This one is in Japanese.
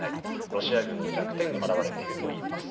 ロシア軍の弱点が表れているといいます。